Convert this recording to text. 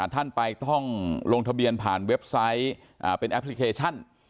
ท่านไปต้องลงทะเบียนผ่านเว็บไซต์เป็นแอปพลิเคชัน